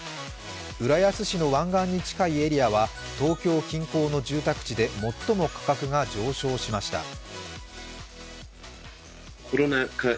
浦安市の湾岸に近いエリアは東京近郊の住宅地で最も価格が上昇しました。